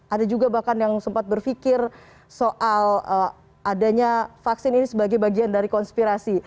ada juga bahkan yang sempat berpikir soal adanya vaksin ini sebagai bagian dari konspirasi